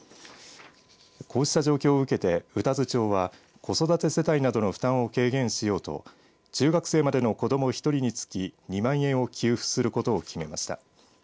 こうした状況を受けて宇多津町は子育て世帯などの負担を軽減しようと中学生までの子ども１人につき２万円を給付することを決めました。